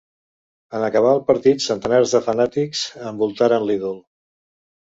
En acabar el partit, centenars de fanàtics envoltaren l'ídol.